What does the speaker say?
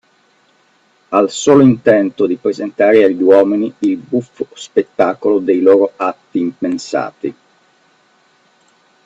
Al solo intento di presentare agli uomini il buffo spettacolo dei loro atti impensati